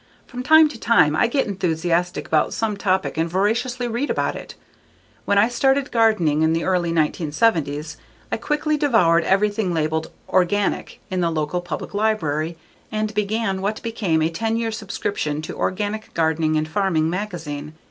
From time to time I get enthusiastic about some topic and voraciously read about it. When I started gardening in the early 1970s l quickly devoured everything labeled "organic" in the local public library and began what became a ten year subscription to Organic Gardening and Farming magazine.